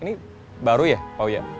ini baru ya pak wiyar